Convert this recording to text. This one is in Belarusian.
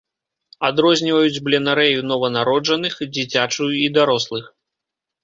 Адрозніваюць бленарэю нованароджаных, дзіцячую і дарослых.